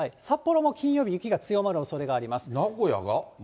札幌も金曜日、雪が強まるおそれがあります。